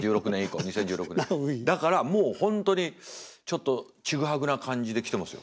だからもう本当にちょっとちぐはぐな感じできてますよ。